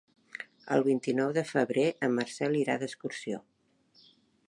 El vint-i-nou de febrer en Marcel irà d'excursió.